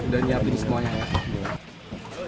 dan nyatuk semuanya nggak